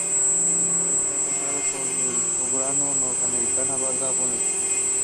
Hertha Feiner worked at various Jewish schools in Berlin.